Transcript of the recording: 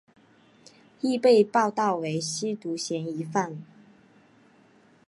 亦被报导为吸毒嫌疑犯。